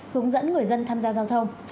hướng dẫn người dân tham gia giao thông